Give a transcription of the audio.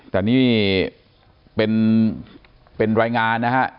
แต่นี่เป็นรายงานนะฮะ